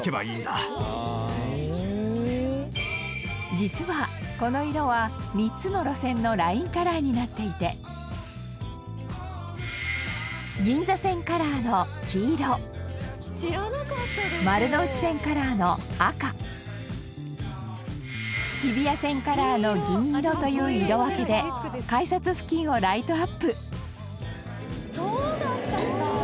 実は、この色は３つの路線のラインカラーになっていて銀座線カラーの黄色丸ノ内線カラーの赤日比谷線カラーの銀色という色分けで改札付近をライトアップそうだったんだ！